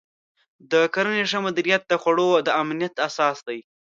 د کرنې ښه مدیریت د خوړو د امنیت اساس دی.